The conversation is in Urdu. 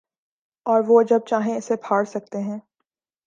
اوروہ جب چاہیں اسے پھاڑ سکتے ہیں۔